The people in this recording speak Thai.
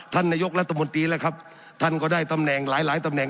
ท่านนายกรัฐมนตรีแหละครับท่านก็ได้ตำแหน่งหลายหลายตำแหน